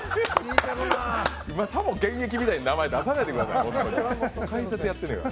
さも現役みたいな名前出さないでください。